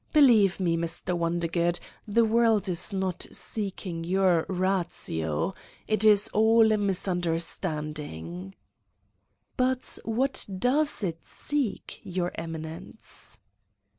... Believe me, Mr. Wondergood, the world is not seeking your ratio. It is all a misun derstanding!" "But what does it seek, Your Eminence?"